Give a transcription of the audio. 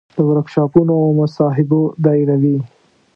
د ورکشاپونو او مصاحبو دایروي.